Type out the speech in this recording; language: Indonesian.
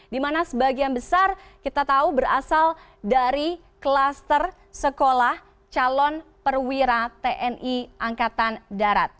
dimana sebagian besar kita tahu berasal dari kluster sekolah calon perwira tni angkatan darat